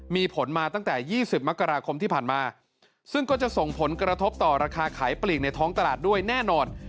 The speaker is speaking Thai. มีผลมาตั้งแต่๒๐มกราคมที่ผ่านมาซึ่งก็จะส่งผลกระทบต่อราคาขายปลีกในท้องตลาดด้วยแน่นอน